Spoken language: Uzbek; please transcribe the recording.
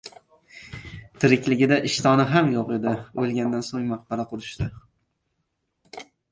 • Tirikligida ishtoni ham yo‘q edi, o‘lgandan so‘ng maqbara qurishdi.